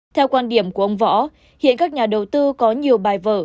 theo quan điểm của ông võ hiện các nhà đầu tư có nhiều bài vở